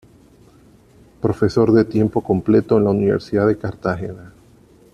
Profesor de tiempo completo en la Universidad de Cartagena.